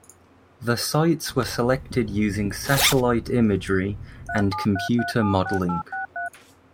The sites were selected using satellite imagery and computer modeling.